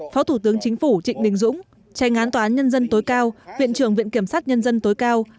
phó thủ tướng chính phủ trịnh đình dũng tranh án tòa án nhân dân tối cao viện trưởng viện kiểm sát nhân dân tối cao